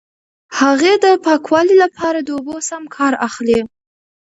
هغې د پاکوالي لپاره د اوبو سم کار اخلي.